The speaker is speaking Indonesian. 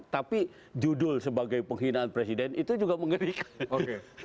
tapi judul sebagai penghinaan presiden itu juga mengerikan